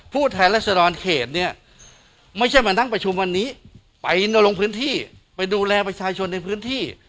แทนรัศดรเขตเนี่ยไม่ใช่มานั่งประชุมวันนี้ไปลงพื้นที่ไปดูแลประชาชนในพื้นที่